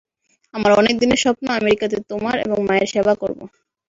আমার অনেক দিনের স্বপ্ন আমেরিকাতে তোমার এবং মায়ের সেবা করবো।